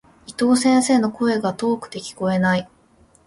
伊藤先生の、声が遠くて聞こえない。